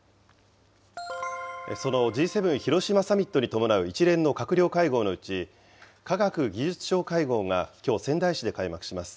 そのＧ７広島サミットに伴う一連の閣僚会合のうち、科学技術相会合がきょう、仙台市で開幕します。